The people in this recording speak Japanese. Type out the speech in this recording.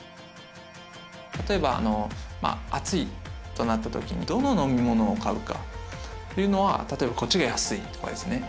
例えば暑いとなった時にどの飲み物を買うかというのは例えばこっちが安いとかですね